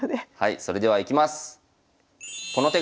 それではいきます！